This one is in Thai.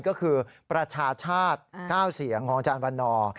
ก็คือประชาชาติ๙เสียงของอาจารย์วันนอร์